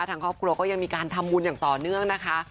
ทางครอบครัวก็ยังมีการทำบุญอย่างต่อเนื่องนะคะ